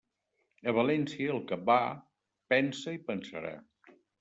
A València, el que va, pensa i pensarà.